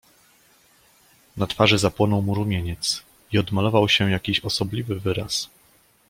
"Na twarzy zapłonął mu rumieniec i odmalował się jakiś osobliwy wyraz."